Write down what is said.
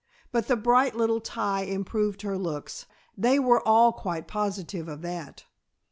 But the bright little tie improved her looks, they were all quite positive of that.